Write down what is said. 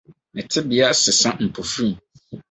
• Ne tebea sesa mpofirim